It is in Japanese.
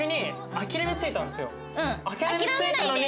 諦めついたのに。